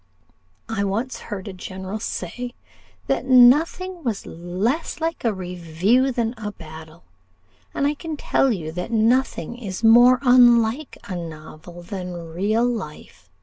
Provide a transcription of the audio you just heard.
I once heard a general say, that nothing was less like a review than a battle; and I can tell you that nothing is more unlike a novel than real life.